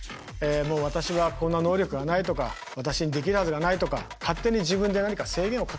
私はこんな能力がないとか私にできるはずがないとか勝手に自分で何か制限をかけちゃってんですよね。